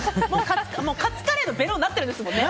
カツカレーのベロになってるんですもんね。